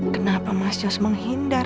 kenapa mas jos menghindar